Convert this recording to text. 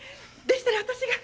でしたら私が。